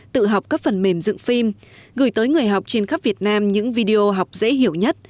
tự học các phần mềm dựng phim gửi tới người học trên khắp việt nam những video học dễ hiểu nhất